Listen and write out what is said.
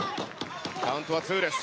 カウントは２です。